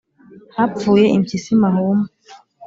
hapfuye Impyisi mahuma